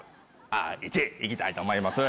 あ１位いきたいと思います。